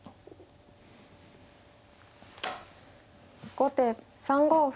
後手３五歩。